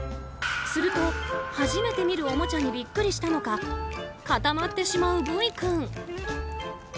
すると初めて見るおもちゃにビックリしたのか固まってしまうＶ君。